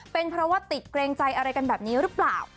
เป็นเพราะว่าติดเกรงใจอะไรกันแบบนี้หรือเปล่า